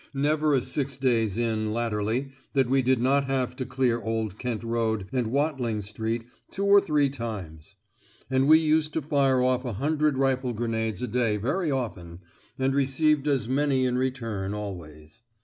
Never a six days in, latterly, that we did not have to clear Old Kent Road and Watling Street two or three times; and we used to fire off a hundred rifle grenades a day very often, and received as many in return always.